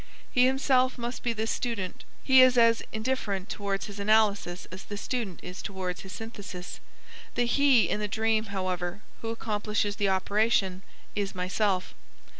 He himself must be this student; he is as indifferent towards his analysis as the student is towards his synthesis; the He in the dream, however, who accomplishes the operation, is myself.